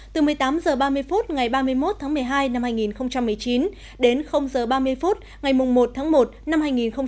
từ một mươi tám h ba mươi phút ngày ba mươi một tháng một mươi hai năm hai nghìn một mươi chín đến h ba mươi phút ngày một tháng một năm hai nghìn hai mươi